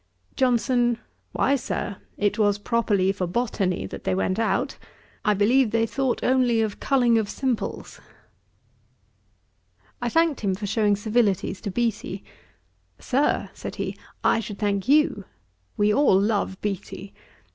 JOHNSON. 'Why, Sir, it was properly for botany that they went out: I believe they thought only of culling of simples.' I thanked him for showing civilities to Beattie. 'Sir, (said he,) I should thank you. We all love Beattie.